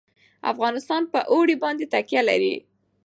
افغانستان په اوړي باندې تکیه لري.